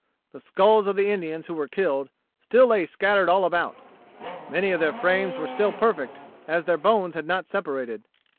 The skulls of the Indians who were killed, still lay scattered all about. Many of their frames were still perfect, as their bones had not separated."